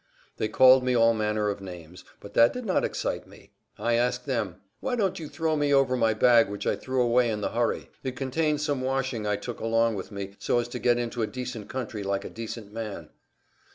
They called me all manner of names, but that did not excite me. I asked them: "Why don't you throw me over my bag which I threw away in the hurry? It contains some washing I took along with me so as to get into a decent country like a decent man."